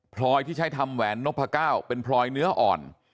พลอยที่ใช้ทำแหวนนพก้าวเป็นพลอยเนื้ออ่อน